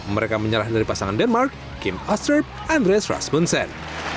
mereka menyerah dari pasangan denmark kim osterp andres rasmussen